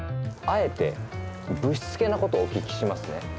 「あえて不躾なことをお聞きしますね」